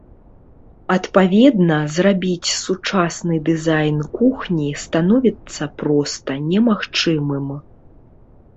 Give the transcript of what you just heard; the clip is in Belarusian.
Адпаведна, зрабіць сучасны дызайн кухні становіцца проста немагчымым.